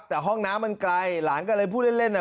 แต่ห้องน้ำมันไกลหลานก็เลยพูดเล่นเล่นอ่ะ